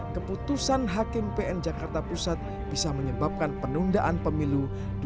keputusan hakim pn jakarta pusat bisa menyebabkan penundaan pemilu dua ribu dua puluh empat